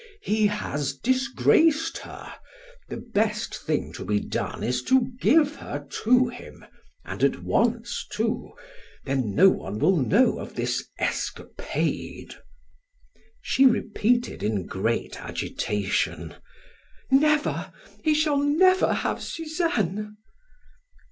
He has disgraced her. The best thing to be done is to give her to him, and at once, too; then no one will know of this escapade." She repeated in great agitation: "Never; he shall never have Suzanne."